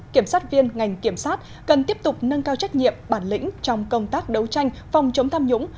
kiểm sát viên ngành kiểm sát cần tiếp tục nâng cao trách nhiệm bản lĩnh trong công tác đấu tranh phòng chống tham nhũng